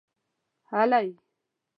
هلئ!